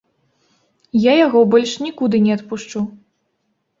Я яго больш нікуды не адпушчу.